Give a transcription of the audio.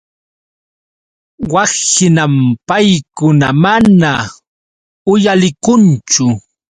Wakhinam paykuna mana uyalikunchu.